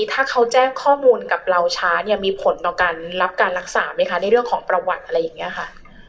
ถ้าเขาแจ้งข้อมูลกับเราช้าเนี่ยมีผลต่อการรับการรักษาไหมคะในเรื่องของประวัติอะไรอย่างนี้ค่ะ